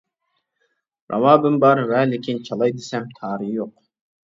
راۋابىم بار ۋە لېكىن، چالاي دېسەم تارى يوق.